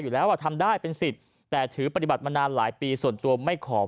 อย่าใจร้อนพรบวินัยกันตลาดช้อน